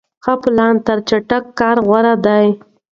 ښه پلان تر چټک کار غوره دی.